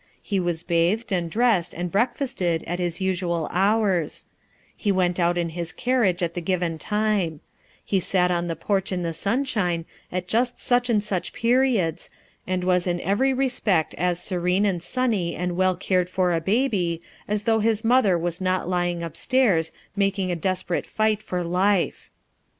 He was bathed and dressed and breakfasted at his usual hours ; he went out in his carriage at the given time; he sat on the porch in the sunshine at just such and such periods, and was in every respect as serene and sunny and well cared for a baby as though his mother was not lying upstairs making a des perate fight for life.